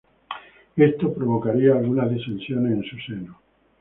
Esto provocaría algunas disensiones en su seno.